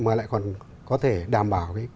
mà lại còn có thể đảm bảo